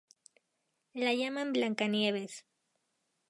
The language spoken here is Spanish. La llaman "Blancanieves".